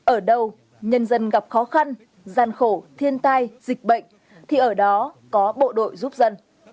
ở đâu nhân dân gặp khó khăn gian khổ thiên tai dịch bệnh thì ở đó có bộ đội giúp dân